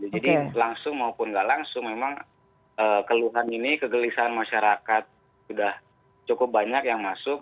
langsung maupun nggak langsung memang keluhan ini kegelisahan masyarakat sudah cukup banyak yang masuk